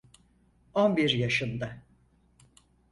On bir yaşında…